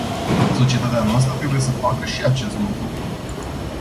Societatea noastră trebuie să facă și acest lucru.